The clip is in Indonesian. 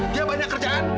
dia banyak kerjaan